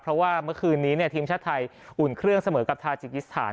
เพราะว่าเมื่อคืนนี้ทีมชาติไทยอุ่นเครื่องเสมอกับทาจิกิสถาน